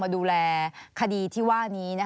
ในทุกระดับชั้นที่ลงมาดูแลคดีที่ว่านี้